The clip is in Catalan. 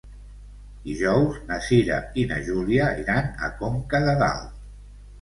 Dijous na Cira i na Júlia iran a Conca de Dalt.